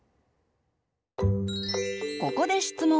ここで質問。